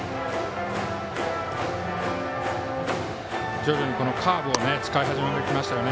徐々にカーブを使い始めてきましたよね。